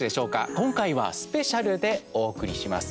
今回はスペシャルでお送りします。